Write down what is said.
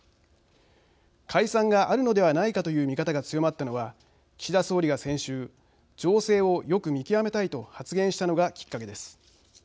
解散があるのではないかという見方が強まったのは岸田総理が先週情勢をよく見極めたいと発言したのがきっかけです。